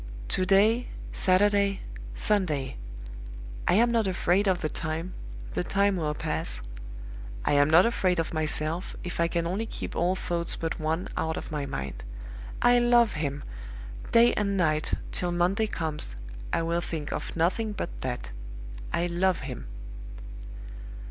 "To day Saturday Sunday! I am not afraid of the time; the time will pass. I am not afraid of myself, if I can only keep all thoughts but one out of my mind. I love him! Day and night, till Monday comes, I will think of nothing but that. I love him!"